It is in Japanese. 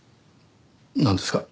なんですか？